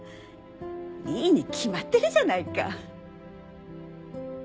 いいに決まってるじゃないか。